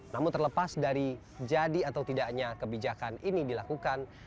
namun terlepas dari jadi atau tidaknya kebijakan ini dilakukan